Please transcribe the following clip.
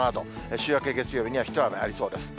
週明け月曜日には一雨ありそうです。